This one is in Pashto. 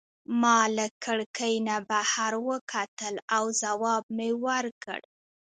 ما له کړکۍ نه بهر وکتل او ځواب مي ورکړ.